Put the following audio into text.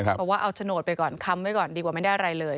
เพราะว่าเอาโฉนดไปก่อนค้ำไว้ก่อนดีกว่าไม่ได้อะไรเลย